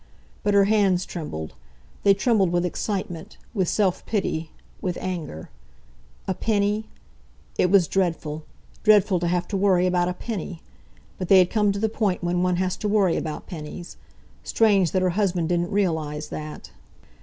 But her hands trembled—they trembled with excitement, with self pity, with anger. A penny? It was dreadful—dreadful to have to worry about a penny! But they had come to the point when one has to worry about pennies. Strange that her husband didn't realise that.